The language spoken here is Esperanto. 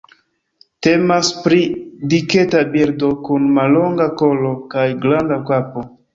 Temas pri diketa birdo, kun mallonga kolo kaj granda kapo.